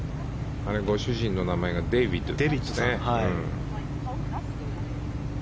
ご主人の名前がデービッドさん。